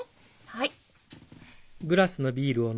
はい。